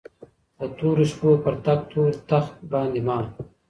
د تورو شپو پر تك تور تخت باندي مــــــا